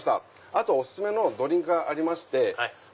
あとお薦めのドリンクがありまして。